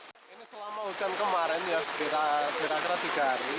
ini selama hujan kemarin ya sekitar kira kira tiga hari